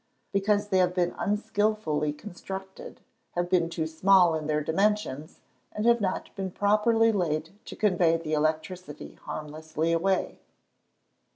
_ Because they have been unskilfully constructed; have been too small in their dimensions, and have not been properly laid to convey the electricity harmlessly away.